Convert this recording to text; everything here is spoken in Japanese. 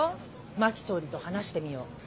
「真木総理と話してみよう」。